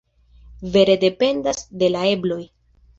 Vere dependas de la ebloj.